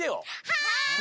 はい！